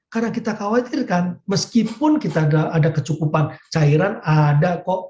karena kita khawatir kan meskipun kita ada kecukupan cairan ada kok